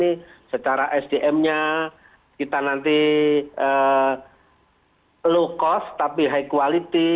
jadi secara sdm nya kita nanti low cost tapi high quality